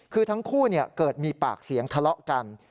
คือทั้งคู่เกิดมีปากเสียงทะเลาะกัน